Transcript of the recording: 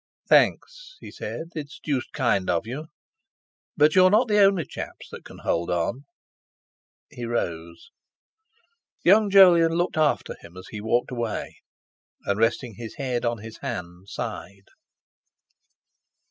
"Thanks," he said. "It's deuced kind of you. But you're not the only chaps that can hold on." He rose. Young Jolyon looked after him as he walked away, and, resting his head on his hand, sighed.